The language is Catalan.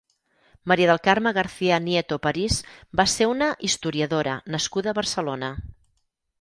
Maria del Carme García-Nieto París va ser una historiadora nascuda a Barcelona.